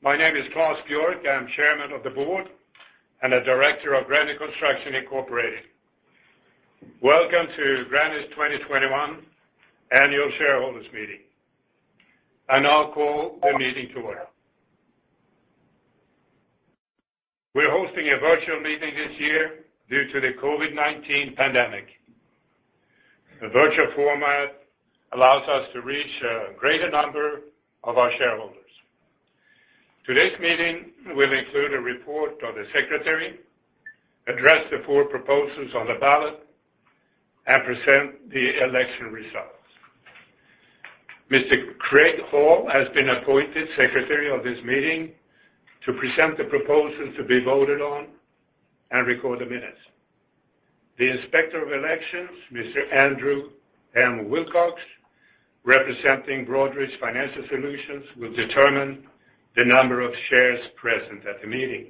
My name is Claes G. Bjork. I'm chairman of the board and the director of Granite Construction Incorporated. Welcome to Granite's 2021 annual shareholders meeting. I now call the meeting to order. We're hosting a virtual meeting this year due to the COVID-19 pandemic. The virtual format allows us to reach a greater number of our shareholders. Today's meeting will include a report of the secretary, address the four proposals on the ballot, and present the election results. Mr. Craig Hall has been appointed secretary of this meeting to present the proposals to be voted on and record the minutes. The inspector of elections, Mr. Andrew M. Wilcox, representing Broadridge Financial Solutions, will determine the number of shares present at the meeting.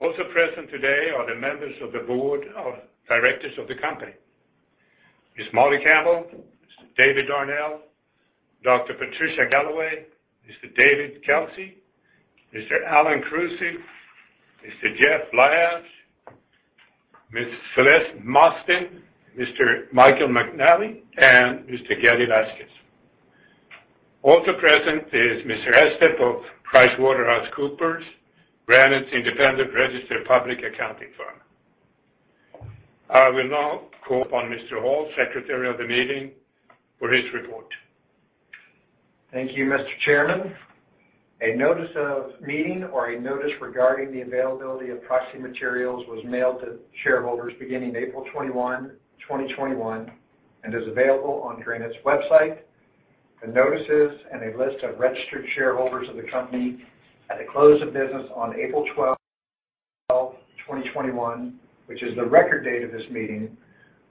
Also present today are the members of the board of directors of the company: Ms. Molly C. Campbell, David C. Darnell, Dr. Patricia D. Galloway, Mr. David H. Kelsey, Mr. Alan P. Krusi, Mr. Jeff Lyash, Ms. Celeste Mastin, Mr. Michael McNally, and Mr. Gaddi Vasquez. Also present is Mr. Estep of PricewaterhouseCoopers, Granite's independent registered public accounting firm. I will now call upon Mr. Hall, Secretary of the meeting, for his report. Thank you, Mr. Chairman. A notice of meeting, or a notice regarding the availability of proxy materials, was mailed to shareholders beginning April 21, 2021, and is available on Granite's website. The notices and a list of registered shareholders of the company at the close of business on April 12, 2021, which is the record date of this meeting,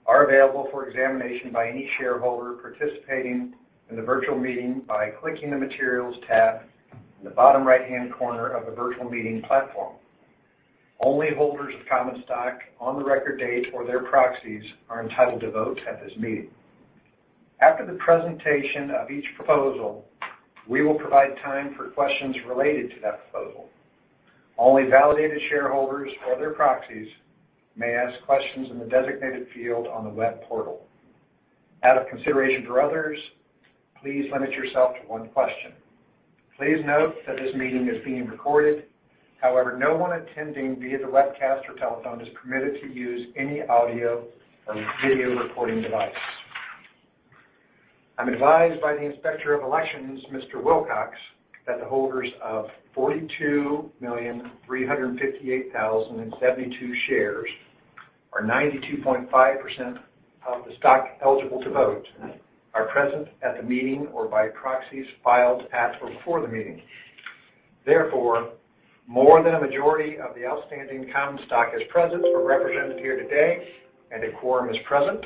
are available for examination by any shareholder participating in the virtual meeting by clicking the materials tab in the bottom right-hand corner of the virtual meeting platform. Only holders of common stock on the record date or their proxies are entitled to vote at this meeting. After the presentation of each proposal, we will provide time for questions related to that proposal. Only validated shareholders or their proxies may ask questions in the designated field on the web portal. Out of consideration for others, please limit yourself to one question. Please note that this meeting is being recorded. However, no one attending via the webcast or telephone is permitted to use any audio or video recording device. I'm advised by the Inspector of Elections, Mr. Wilcox, that the holders of 42,358,072 shares, or 92.5% of the stock eligible to vote, are present at the meeting or by proxies filed at or before the meeting. Therefore, more than a majority of the outstanding Common Stock is present or represented here today, and a quorum is present,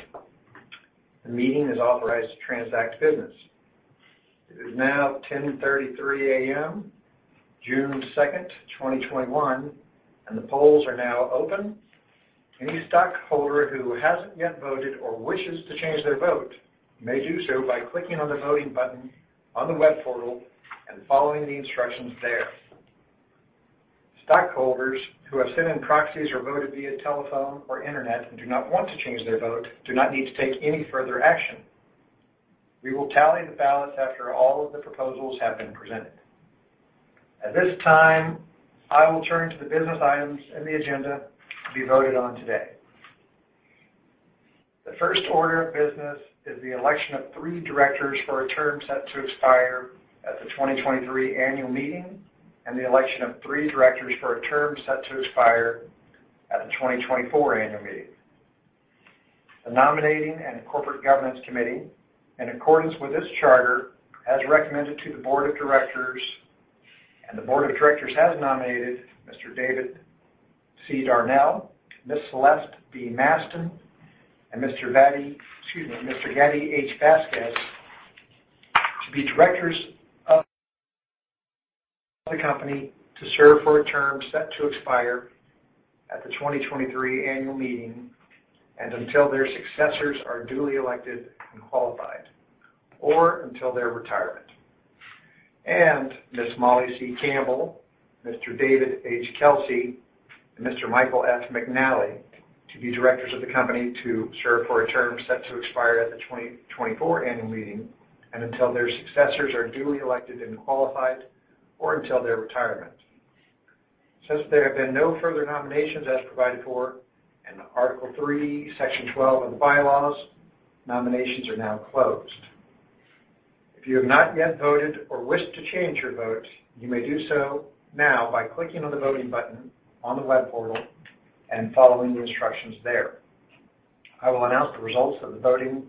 the meeting is authorized to transact business. It is now 10:33 A.M., June 2, 2021, and the polls are now open. Any stockholder who hasn't yet voted or wishes to change their vote may do so by clicking on the voting button on the web portal and following the instructions there. Stockholders who have sent in proxies or voted via telephone or internet and do not want to change their vote do not need to take any further action. We will tally the ballots after all of the proposals have been presented. At this time, I will turn to the business items in the agenda to be voted on today. The first order of business is the election of three directors for a term set to expire at the 2023 annual meeting and the election of three directors for a term set to expire at the 2024 annual meeting. The Nominating and Corporate Governance Committee, in accordance with this charter, has recommended to the board of directors, and the board of directors has nominated Mr. David C. Darnell, Ms. Celeste B. Mastin, and Mr. Gaddi H. Vasquez. Vasquez to be directors of the company to serve for a term set to expire at the 2023 annual meeting and until their successors are duly elected and qualified, or until their retirement. Ms. Molly C. Campbell, Mr. David H. Kelsey, and Mr. Michael F. McNally to be directors of the company to serve for a term set to expire at the 2024 annual meeting and until their successors are duly elected and qualified, or until their retirement. Since there have been no further nominations as provided for in Article 3, Section 12 of the bylaws, nominations are now closed. If you have not yet voted or wish to change your vote, you may do so now by clicking on the voting button on the web portal and following the instructions there. I will announce the results of the voting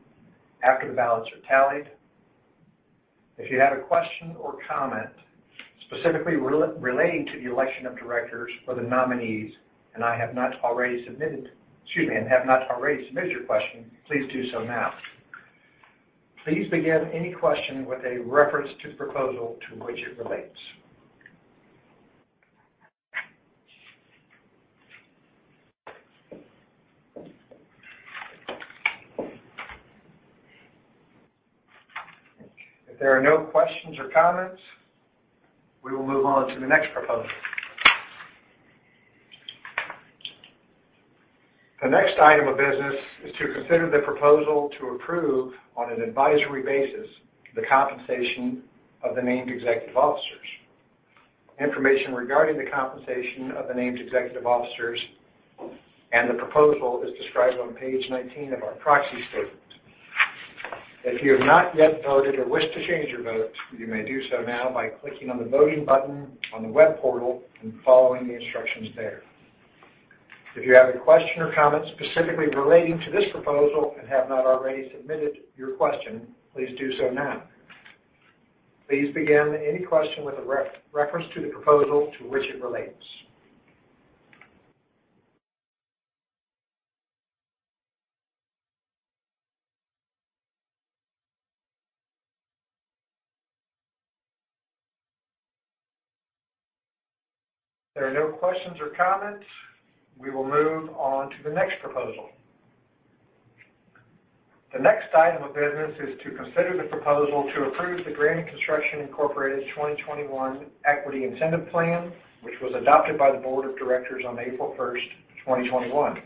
after the ballots are tallied. If you have a question or comment specifically relating to the election of directors or the nominees and I have not already submitted, excuse me, and have not already submitted your question, please do so now. Please begin any question with a reference to the proposal to which it relates. If there are no questions or comments, we will move on to the next proposal. The next item of business is to consider the proposal to approve on an advisory basis the compensation of the Named Executive Officers. Information regarding the compensation of the Named Executive Officers and the proposal is described on page 19 of our Proxy Statement. If you have not yet voted or wish to change your vote, you may do so now by clicking on the voting button on the web portal and following the instructions there. If you have a question or comment specifically relating to this proposal and have not already submitted your question, please do so now. Please begin any question with a reference to the proposal to which it relates. There are no questions or comments. We will move on to the next proposal. The next item of business is to consider the proposal to approve the Granite Construction Incorporated's 2021 Equity Incentive Plan, which was adopted by the board of directors on April 1, 2021.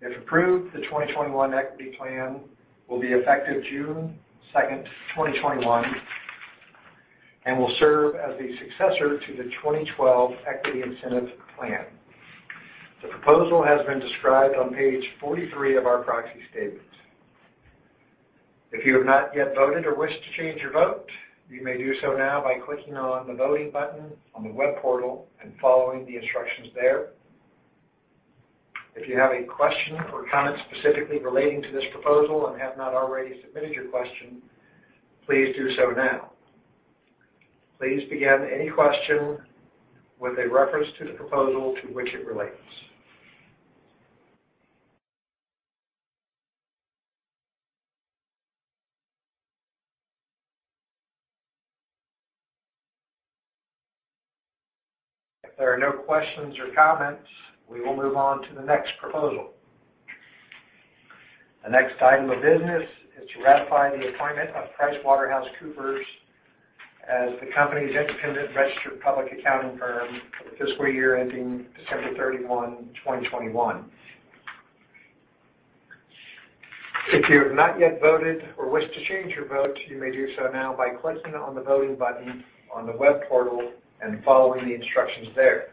If approved, the 2021 Equity Plan will be effective June 2, 2021, and will serve as the successor to the 2012 Equity Incentive Plan. The proposal has been described on page 43 of our proxy statement. If you have not yet voted or wish to change your vote, you may do so now by clicking on the voting button on the web portal and following the instructions there. If you have a question or comment specifically relating to this proposal and have not already submitted your question, please do so now. Please begin any question with a reference to the proposal to which it relates. If there are no questions or comments, we will move on to the next proposal. The next item of business is to ratify the appointment of PricewaterhouseCoopers as the company's independent registered public accounting firm for the fiscal year ending December 31, 2021. If you have not yet voted or wish to change your vote, you may do so now by clicking on the voting button on the web portal and following the instructions there.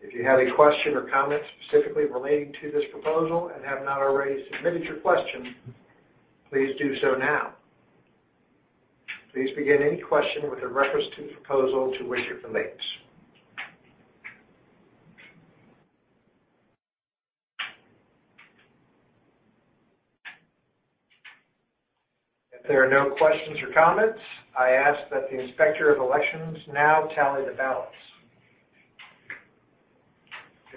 If you have a question or comment specifically relating to this proposal and have not already submitted your question, please do so now. Please begin any question with a reference to the proposal to which it relates. If there are no questions or comments, I ask that the Inspector of Elections now tally the ballots.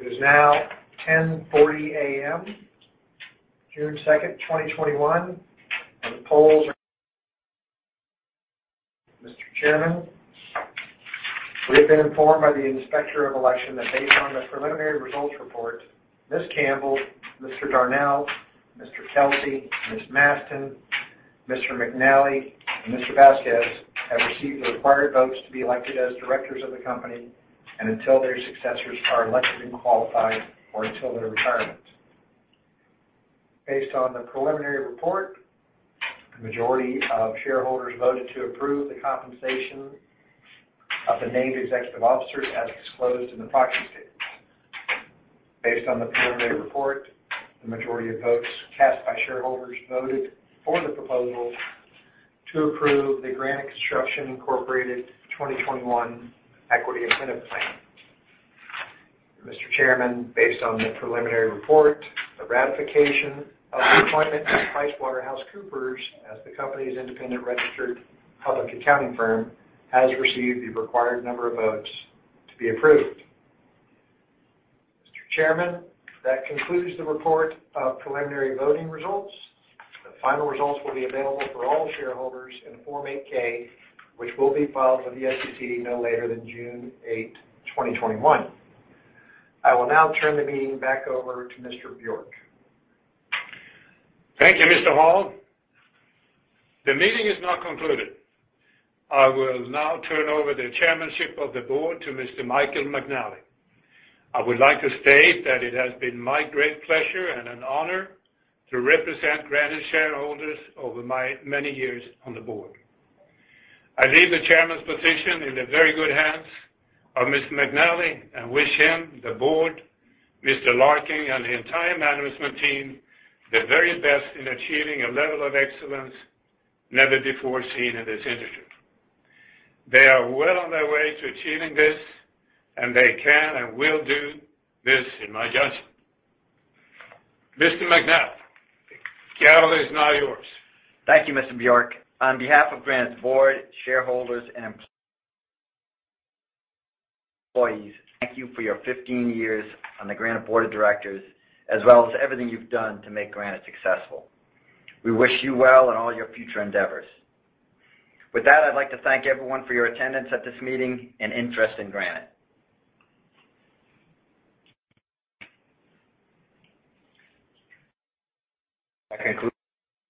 It is now 10:40 A.M., June 2, 2021, and the polls are. Mr. Chairman, we have been informed by the Inspector of Elections that based on the preliminary results report, Ms. Campbell, Mr. Darnell, Mr. Kelsey, Ms. Mastin, Mr. McNally, and Mr. Vasquez have received the required votes to be elected as directors of the company and until their successors are elected and qualified, or until their retirement. Based on the preliminary report, the majority of shareholders voted to approve the compensation of the Named Executive Officers as disclosed in the proxy statement. Based on the preliminary report, the majority of votes cast by shareholders voted for the proposal to approve the Granite Construction Incorporated 2021 Equity Incentive Plan. Mr. Chairman, based on the preliminary report, the ratification of the appointment of PricewaterhouseCoopers as the company's independent registered public accounting firm has received the required number of votes to be approved. Mr. Chairman, that concludes the report of preliminary voting results. The final results will be available for all shareholders in Form 8-K, which will be filed with the SEC no later than June 8, 2021. I will now turn the meeting back over to Mr. Bjork. Thank you, Mr. Hall. The meeting is now concluded. I will now turn over the chairmanship of the board to Mr. Michael McNally. I would like to state that it has been my great pleasure and an honor to represent Granite's shareholders over my many years on the board. I leave the chairman's position in the very good hands of Mr. McNally and wish him, the board, Mr. Larkin, and the entire management team the very best in achieving a level of excellence never before seen in this industry. They are well on their way to achieving this, and they can and will do this in my judgment. Mr. McNally, the gavel is now yours. Thank you, Mr. Bjork. On behalf of Granite's board, shareholders, and employees, thank you for your 15 years on the Granite board of directors, as well as everything you've done to make Granite successful. We wish you well in all your future endeavors. With that, I'd like to thank everyone for your attendance at this meeting and interest in Granite. That concludes.